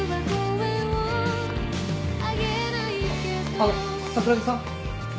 あっ桜木さん？